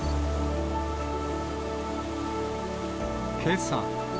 けさ。